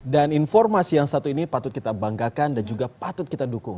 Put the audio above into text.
dan informasi yang satu ini patut kita banggakan dan juga patut kita dukung